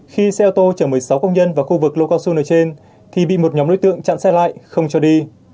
khi xe ô tô chở một mươi sáu công nhân vào khu vực lô cao xu nơi trên thì bị một nhóm đối tượng chặn xe lại không cho đi